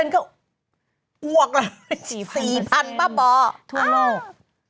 ๑๐๐ก็อวกเลย๔๐๐๐เปอร์เบาะทั่วโลก